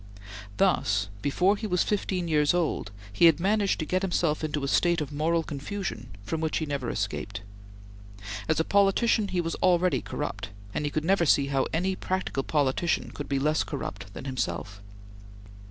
Thus, before he was fifteen years old, he had managed to get himself into a state of moral confusion from which he never escaped. As a politician, he was already corrupt, and he never could see how any practical politician could be less corrupt than himself.